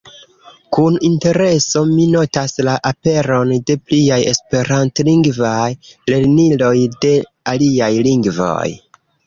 Kun intereso mi notas la aperon de pliaj esperantlingvaj lerniloj de aliaj lingvoj.